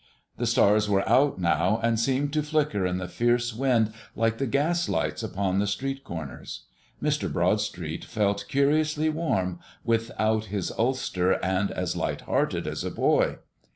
The stars were out now, and seemed to flicker in the fierce wind like the gas lights upon the street corners. Mr. Broadstreet felt curiously warm without his ulster and as light hearted as a boy.